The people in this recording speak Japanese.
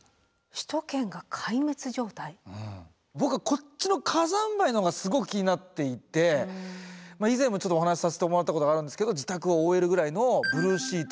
僕はこっちの火山灰の方がすごく気になっていて以前もちょっとお話しさせてもらったことがあるんですけど自宅を覆えるぐらいのブルーシート